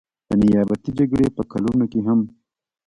د نیابتي جګړې په کلونو کې هم.